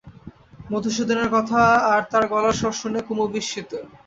মধুসূদনের কথা আর তার গলার স্বর শুনে কুমু বিস্মিত।